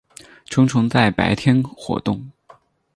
成虫在白天活动。